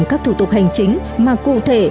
các thủ tục hành chính mà cụ thể